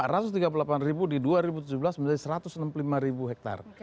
rp satu ratus tiga puluh delapan ribu di dua ribu tujuh belas menjadi satu ratus enam puluh lima ribu hektare